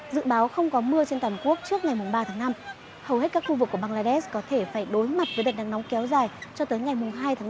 dự báo không có mưa trên toàn quốc trước ngày ba tháng năm hầu hết các khu vực của bangladesh có thể phải đối mặt với đợt nắng nóng kéo dài cho tới ngày hai tháng năm